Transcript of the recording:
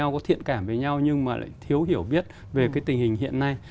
có thiện cảm với nhau nhưng mà lại thiếu hiểu biết về cái tình hình hiện nay